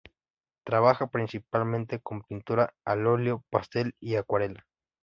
Trabaja principalmente con pintura al óleo, pastel y acuarela.